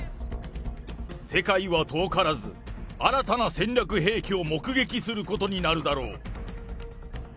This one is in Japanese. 世界は遠からず、新たな戦略兵器を目撃することになるだろう。